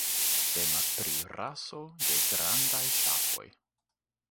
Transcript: Temas pri raso de grandaj ŝafoj.